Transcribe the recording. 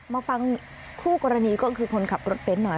มาฟังคู่กรณีก็คือคนขับรถเบนท์หน่อย